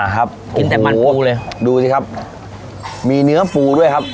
กินแต่มันปูเลยดูสิครับมีเนื้อปูด้วยครับ